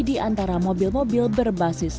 di antara mobil mobil berbasis